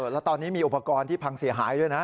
แล้วตอนนี้มีอุปกรณ์ที่พังเสียหายด้วยนะ